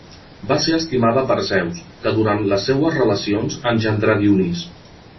Va ser estimada per Zeus, que durant les seues relacions engendrà Dionís.